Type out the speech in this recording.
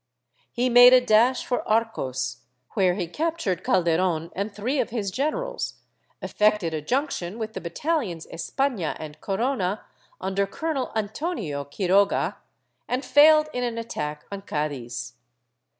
He made a dash for Arcos, where he captured Calderon and three of his generals, effected a junction with the battalions Espaha and Corona, under Colonel Antonio Quiroga, and failed in an attack on Cadiz.